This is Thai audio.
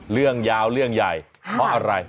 เรื่องยาวเรื่องใหญ่เพราะอะไร